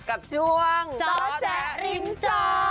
กับช่วงจอแจริมจอ